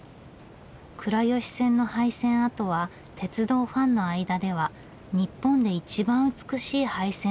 倉吉線の廃線跡は鉄道ファンの間では「日本で一番美しい廃線跡」とも呼ばれています。